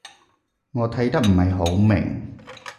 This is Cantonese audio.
我睇得唔係好明